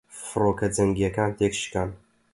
فڕۆکە جەنگیەکان تێکشکان